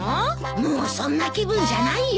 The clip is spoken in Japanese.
もうそんな気分じゃないよ。